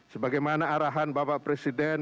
sebagaimana arahan bapak presiden